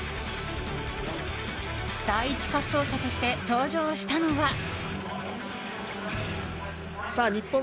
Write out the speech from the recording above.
第１滑走者として登場したのは。